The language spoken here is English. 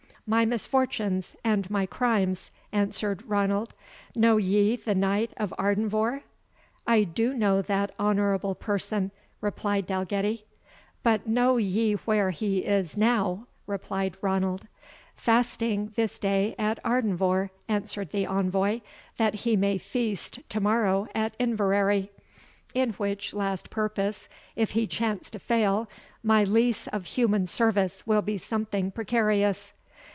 "My misfortunes and my crimes," answered Ranald. "Know ye the Knight of Ardenvohr?" "I do know that honourable person," replied Dalgetty. "But know ye where he now is?" replied Ranald. "Fasting this day at Ardenvohr," answered the Envoy, "that he may feast to morrow at Inverary; in which last purpose if he chance to fail, my lease of human service will be something precarious."